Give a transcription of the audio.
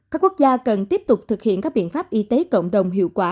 các quốc gia cần tiếp tục thực hiện các biện pháp y tế cộng đồng hiệu quả